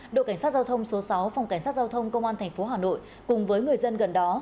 đội cảnh sát giao thông số sáu phòng cảnh sát giao thông công an tp hà nội cùng với người dân gần đó